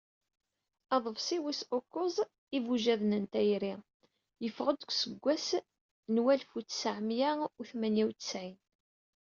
Aḍebsi wis ukuẓ "Ibujaden n tayri" yeffeɣ-d deg useggas n walef u tesεemya u tmanya u tesεin.